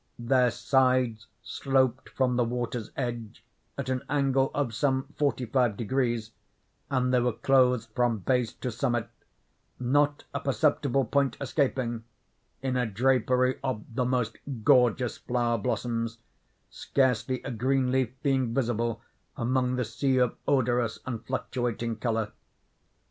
Their sides sloped from the water's edge at an angle of some forty five degrees, and they were clothed from base to summit—not a perceptible point escaping—in a drapery of the most gorgeous flower blossoms; scarcely a green leaf being visible among the sea of odorous and fluctuating color.